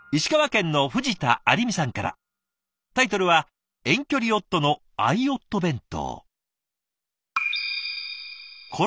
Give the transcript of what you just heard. タイトルは「遠距離夫の愛夫弁当」。